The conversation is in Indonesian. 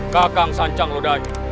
kakang sancang lodai